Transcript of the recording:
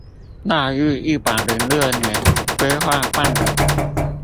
納入一百零六年規劃辦理